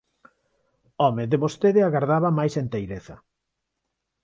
Home, de vostede agardaba máis enteireza.